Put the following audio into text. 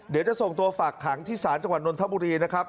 เดี๋ยวจะส่งตัวฝากขังที่ศาลจังหวัดนทบุรีนะครับ